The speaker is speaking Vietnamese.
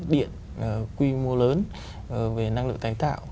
điện quy mô lớn về năng lượng tài tạo